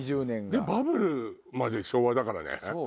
でバブルまで昭和だからね。